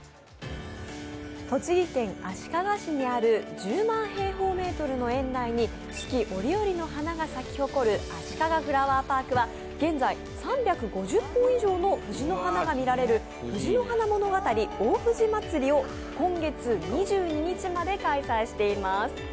栃木県足利市にある１０万平方メートルの園内に四季折々の花が咲き誇るあしかがフラワーパークは現在、３５０本以上の藤の花が見られる「藤の花ものがたり大藤まつり」を今月２２日まで開催しています。